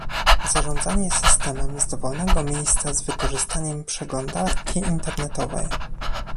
Zarządzanie systemem z dowolnego miejsca z wykorzystaniem przeglądarki internetowej